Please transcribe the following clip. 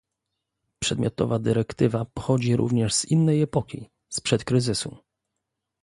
przedmiotowa dyrektywa pochodzi również z innej epoki, sprzed kryzysu